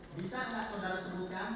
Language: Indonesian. bisakah saudara sebutkan